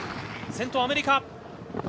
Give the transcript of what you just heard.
先頭はアメリカ。